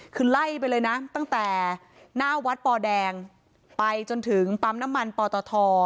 คือไล่ไปเลยนะตั้งแต่หน้าวัดปอแดงไปจนถึงปั๊มน้ำมันปอตท